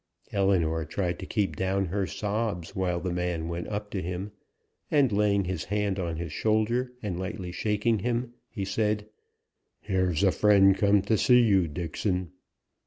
Ellinor tried to keep down her sobs while the man went up to him, and laying his hand on his shoulder, and lightly shaking him, he said: "Here's a friend come to see you, Dixon."